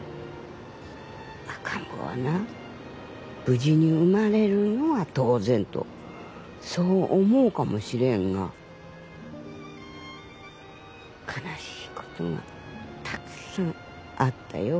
赤ん坊はな無事に生まれるのが当然とそう思うかもしれんが悲しいことがたくさんあったよ。